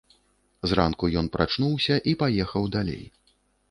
Зранку ён прачнуўся і паехаў далей.